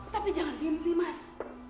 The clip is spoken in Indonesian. tapi jangan mimpi mas